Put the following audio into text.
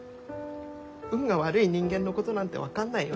運が悪い人間のことなんて分かんないよね。